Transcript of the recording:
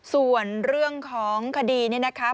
ส่วนเรื่องของคดีเนี่ยนะคะ